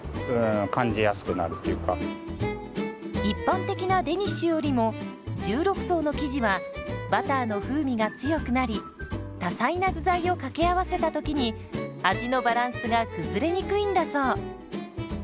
一般的なデニッシュよりも１６層の生地はバターの風味が強くなり多彩な具材を掛け合わせた時に味のバランスが崩れにくいんだそう。